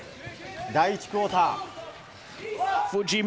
第１クオーター。